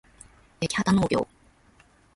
やきはたのうぎょう